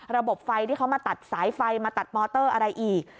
ระบบไฟที่เขามาตัดสายไฟมาตัดมอเตอร์อะไรอีก